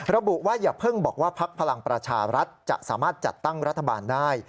ระบุว่าอย่าเพิ่งบอกว่าพักพลังประชารัฐจะสามารถจัดตั้งรัฐบาลได้